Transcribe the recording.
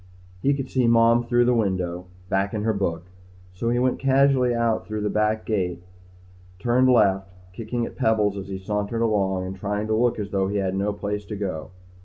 He could see Mom through the window, back in her book, so he went casually out through the back gate and turned left, kicking at pebbles as he sauntered along and trying to look as though he had no place to go.